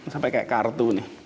sampai kayak kartu nih